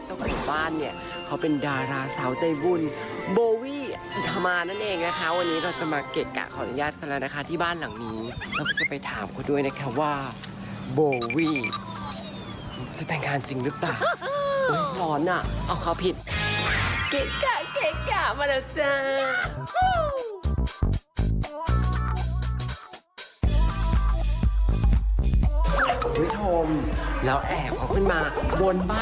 ตรงนี้บ้านเนี่ยเขาเป็นดาราสาวใจบุญโบวี่อิธามานั่นเองนะคะวันนี้เราจะมาเกะกะขออนุญาตกันแล้วนะคะที่บ้านหลังนี้เราจะไปถามคนด้วยนะคะว่าโบวี่จะแต่งการจริงหรือเปล่าอุ้ยร้อนน่ะเอาเขาผิดเกะกะเกะกะมาแล้วจ้า